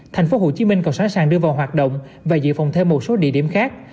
tp hcm còn sẵn sàng đưa vào hoạt động và dự phòng thêm một số địa điểm khác